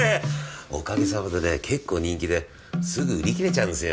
おかげさまでね結構人気ですぐ売り切れちゃうんですよ。